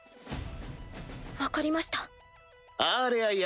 分かりました。